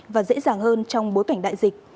và dễ dàng hơn trong bối cảnh đại dịch